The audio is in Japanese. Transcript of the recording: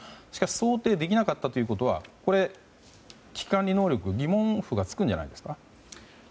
しかし想定できなかったということは危機管理能力に疑問符が付くんじゃないですか？